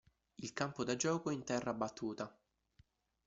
Il campo da gioco è in terra battuta.